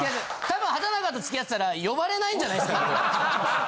多分畠中と付き合ってたら呼ばれないんじゃないですか。